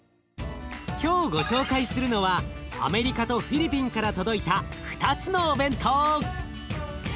今日ご紹介するのはアメリカとフィリピンから届いた２つのお弁当。